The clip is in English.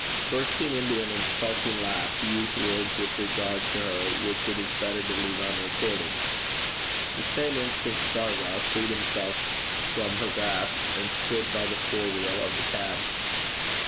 Bursting into an insulting laugh, he used words with regard to her which it is better to leave unrecorded. The same instant Shargar freed himself from her grasp, and stood by the fore wheel of the cab.